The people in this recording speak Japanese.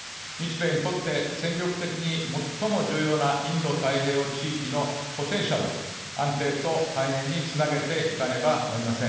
日米にとって、戦略的に最も重要なインド太平洋地域のポテンシャルを、安定と繁栄につなげていかねばなりません。